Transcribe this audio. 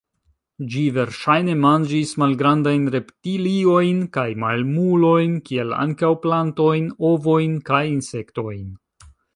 Ĝi verŝajne manĝis malgrandajn reptiliojn kaj mamulojn kiel ankaŭ plantojn, ovojn kaj insektojn.